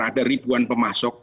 ada ribuan pemasok